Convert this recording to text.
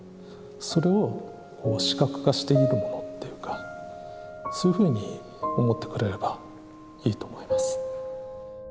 それを視覚化しているものっていうかそういうふうに思ってくれればいいと思います。